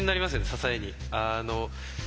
支えに。